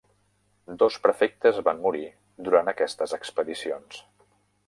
Dos prefectes van morir durant aquestes expedicions.